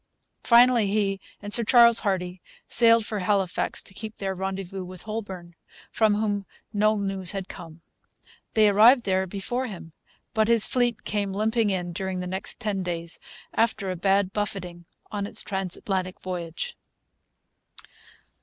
Finally, he and Sir Charles Hardy sailed for Halifax to keep their rendezvous with Holbourne, from whom no news had come. They arrived there before him; but his fleet came limping in during the next ten days, after a bad buffeting on its transatlantic voyage.